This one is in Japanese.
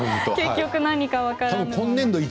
結局、何か分からない。